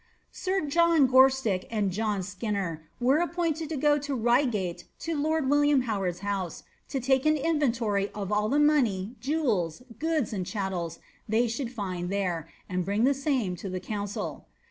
Sir John Gorstick and John Skinner were appointed to go to Ryegate to lord William Howard's house, to take an inventory of all the money, jewels, goods, and chattels, they should find there, and bring the same to the council.